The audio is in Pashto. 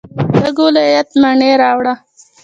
د وردګو ولایت مڼې راوړه.